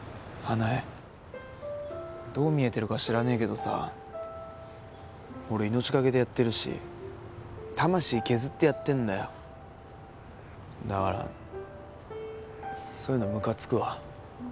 花枝どう見えてるか知らねえけどさ俺命がけでやってるし魂削ってやってんだよだからそういうのムカつくわ